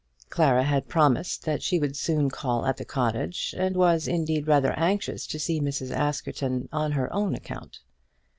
Clara had promised that she would soon call at the cottage, and was, indeed, rather anxious to see Mrs. Askerton on her own account.